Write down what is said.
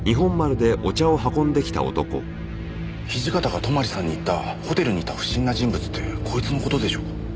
土方が泊さんに言ったホテルにいた不審な人物ってこいつの事でしょうか？